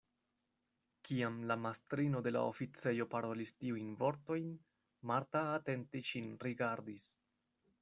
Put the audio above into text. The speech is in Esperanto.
Kiam la mastrino de la oficejo parolis tiujn vortojn, Marta atente ŝin rigardis.